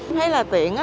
em thấy là tiện